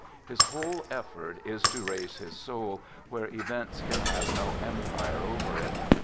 His whole effort is to raise his soul where events can have no empire over it.